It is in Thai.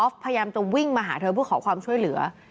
พยายามจะวิ่งมาหาเธอเพื่อขอความช่วยเหลือ